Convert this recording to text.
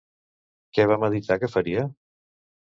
Què va meditar que faria?